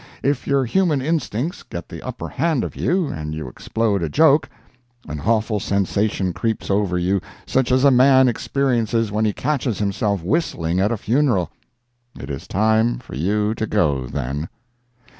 If your human instincts get the upper hand of you and you explode a joke, an awful sensation creeps over you such as a man experiences when he catches himself whistling at a funeral. It is time for you to go, then.